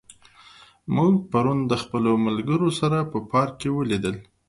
موږ پرون د خپلو ملګرو سره په پارک کې ولیدل.